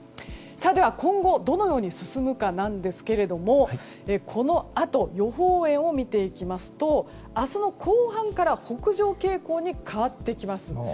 では、今後どのように進むかですがこのあと予報円を見ていきますと明日の後半から北上傾向に変わってきます。